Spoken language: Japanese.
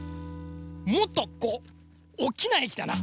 もっとこうおっきなえきだな。